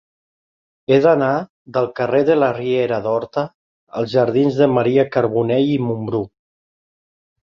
He d'anar del carrer de la Riera d'Horta als jardins de Maria Carbonell i Mumbrú.